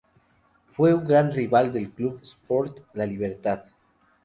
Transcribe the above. Fue un gran rival del Club Sport La Libertad.